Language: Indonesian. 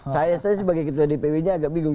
saya sebagai ketua dpw nya agak bingung